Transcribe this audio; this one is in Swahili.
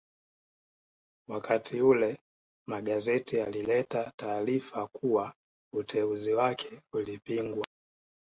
Wakati ule magazeti yalileta taarifa kuwa uteuzi wake ulipingwa